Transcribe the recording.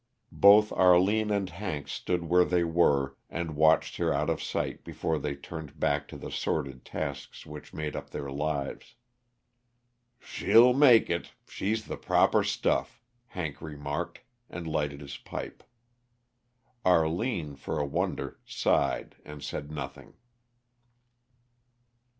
Both Arline and Hank stood where they were and watched her out of sight before they turned back to the sordid tasks which made up their lives. "She'll make it she's the proper stuff," Hank remarked, and lighted his pipe. Arline, for a wonder, sighed and said nothing.